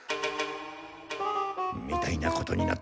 みたいなことになったらこまる。